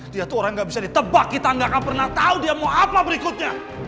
dia tuh orang gak bisa ditebak kita nggak akan pernah tahu dia mau apa berikutnya